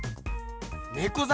ねこざ